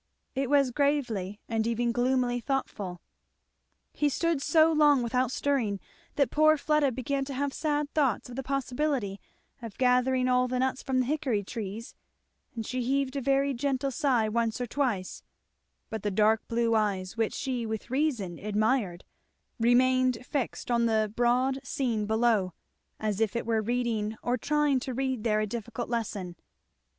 It was gravely and even gloomily thoughtful. He stood so long without stirring that poor Fleda began to have sad thoughts of the possibility of gathering all the nuts from the hickory trees, and she heaved a very gentle sigh once or twice; but the dark blue eye which she with reason admired remained fixed on the broad scene below, as if it were reading or trying to read there a difficult lesson.